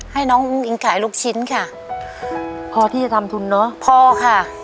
ให้น้องอุ้งอิงขายลูกชิ้นค่ะพอที่จะทำทุนเนอะพอค่ะ